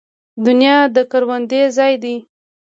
دنیا د کروندې ځای دی